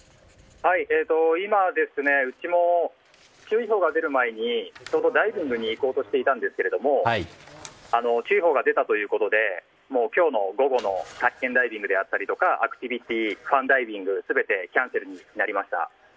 今、うちも注意報が出る前にダイビングに行こうとしていたんですが注意報が出たということで今日の午後の体験ダイビングやアクティビティー、ダイビング全てキャンセルになりました。